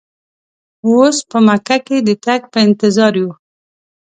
اوس په مکه کې د تګ په انتظار یو.